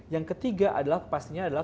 yang ketiga adalah pastinya adalah